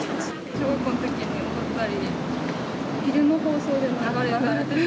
小学校のときに踊ったり、昼の放送で流れた。